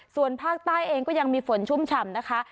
ส่วนภาคใต้เองก็ยังมีฝนชุ่มฉ่ำนะคะ